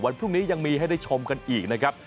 พรุ่งนี้ยังมีให้ได้ชมกันอีกนะครับ